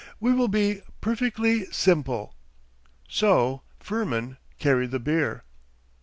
We will be perfectly simple.' So Firmin carried the beer.